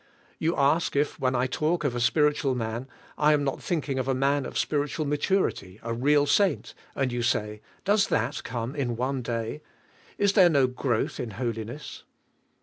You ask if when I talk of a spiritual man I am not thinking of a man of spiritual maturity, a real saint, and you say: "Does that come in one day? Is there no growth in holiness?"